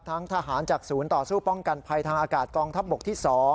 ทหารจากศูนย์ต่อสู้ป้องกันภัยทางอากาศกองทัพบกที่๒